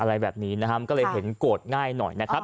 อะไรแบบนี้นะครับก็เลยเห็นโกรธง่ายหน่อยนะครับ